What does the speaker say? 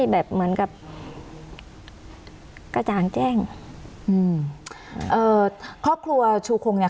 แบบเหมือนกับกระจ่างแจ้งอืมเอ่อครอบครัวชูคงเนี้ย